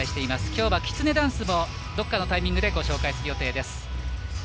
きょうはきつねダンスもどこかのタイミングでご紹介する予定です。